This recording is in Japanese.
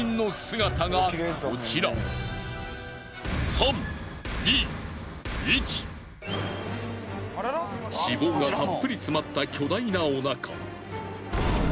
しかし脂肪がたっぷり詰まった巨大なお腹。